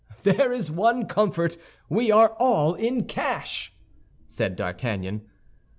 "There is one comfort, we are all in cash," said D'Artagnan.